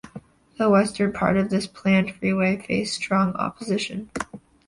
The western part of this planned freeway faced strong opposition.